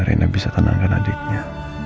rina bisa tenangkan adiknya